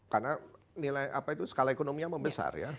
karena nilai apa itu skala ekonomi yang membesar ya